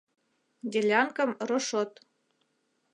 Делянкым рошот.